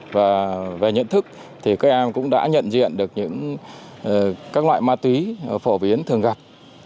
và về nhận thức thì các em cũng đã nhận diện được những loại ma túy phổ biến thường gặp